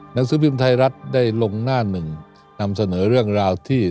หนังสือพิมพ์ไทยรัฐได้ลงหน้าหนึ่งนำเสนอเรื่องราวที่